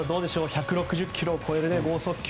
１６０キロを超える豪速球